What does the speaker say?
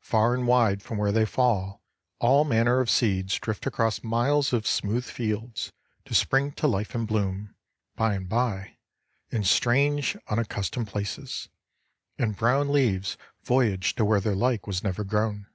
Far and wide from where they fall, all manner of seeds drift across miles of smooth fields, to spring to life and bloom, by and by, in strange, unaccustomed places, and brown leaves voyage to where their like was never grown.